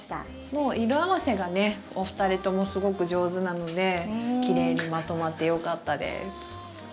もう色合わせがねお二人ともすごく上手なのできれいにまとまってよかったです。